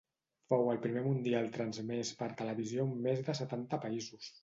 Fou el primer Mundial transmès per televisió en més de setanta països.